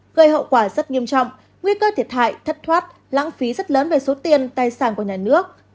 gây hậu quả rất nghiêm trọng nguy cơ thiệt hại thất thoát lãng phí rất lớn về số tiền tài sản của nhà nước